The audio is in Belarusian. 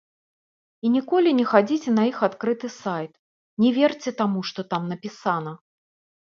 І ніколі не хадзіце на іх адкрыты сайт, не верце таму, што там напісана.